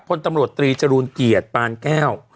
พศตรีจรูนเกียรติปานแก้ว